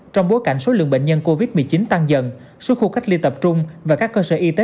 trong bối cảnh số lượng bệnh nhân covid một mươi chín tăng dần số khu cách ly tập trung và các cơ sở y tế